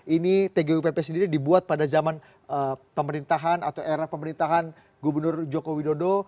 ini tgupp sendiri dibuat pada zaman pemerintahan atau era pemerintahan gubernur joko widodo